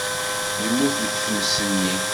Yemmut deg tmes-nni.